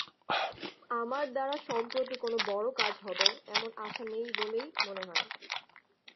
আমার দ্বারা সম্প্রতি কোন বড় কাজ হবে, এমন আশা নেই বলেই মনে হয়।